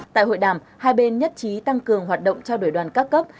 tại hội đàm hai bên nhất trí tăng cường hoạt động trao đổi đoàn các cấp